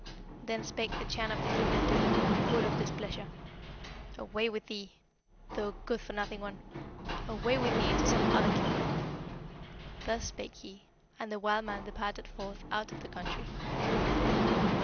Then spake the Chan of the kingdom to him, full of displeasure, 'Away with thee, thou good for nothing one! Away with thee to some other kingdom!' Thus spake he, and the wild man departed forth out of the country.